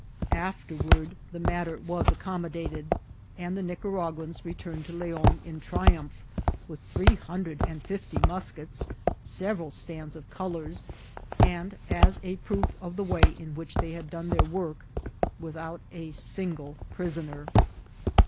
Afterward the matter was accommodated, and the Nicaragnani returned to Leon in triumph, with three hundred and fifty muskets, several stands of colours, and as a proof of the way in which they had done their work, without a single prisoner.